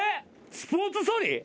スポーツソリ？